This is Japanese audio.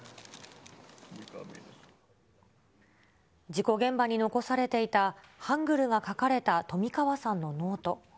事故現場に残されていた、ハングルが書かれた冨川さんのノート。